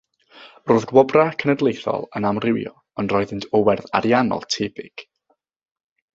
Roedd gwobrau cenedlaethol yn amrywio, ond roeddent o werth ariannol tebyg.